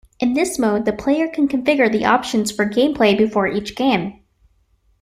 In this mode, the player can configure the options for gameplay before each game.